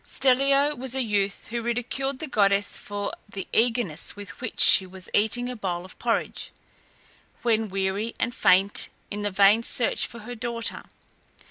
Stellio was a youth who ridiculed the goddess for the eagerness with which she was eating a bowl of porridge, when weary and faint in the vain search for her daughter.